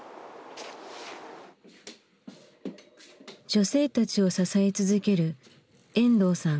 女性たちを支え続ける遠藤さん。